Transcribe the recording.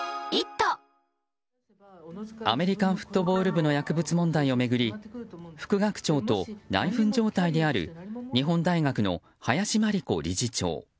アメリカンフットボール部の薬物問題を巡り副学長と内紛状態にある日本大学の林真理子理事長。